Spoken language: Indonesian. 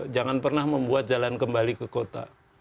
jangan pernah membuat jalan kembali ke kota